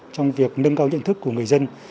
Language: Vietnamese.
trong việc nâng cao nhận thức của người dân